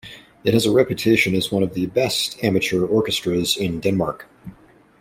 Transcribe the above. It has a reputation as one of the best amateur orchestras in Denmark.